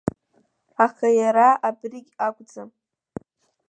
Аха иара абригь акәӡам…